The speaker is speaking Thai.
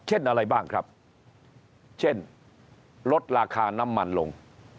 เช่นอะไรบ้างครับเช่นลดราคาน้ำมันลง